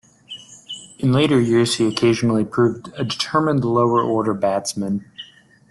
In later years he occasionally proved a determined lower order batsman.